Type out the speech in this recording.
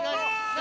何？